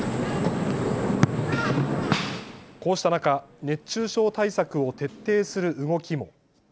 こうした中、熱中症対策を徹底する動きも。